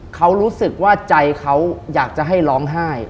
เขารู้สึกว่าใจเขาอยากจะให้ร้องไห้